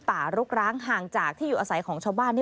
รกร้างห่างจากที่อยู่อาศัยของชาวบ้านนี่